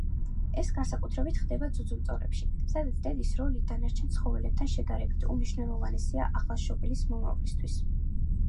ეს განსაკუთრებით ხდება ძუძუმწოვრებში, სადაც დედის როლი დანარჩენ ცხოველებთან შედარებით უმნიშვნელოვანესია ახალშობილის მომავლისთვის.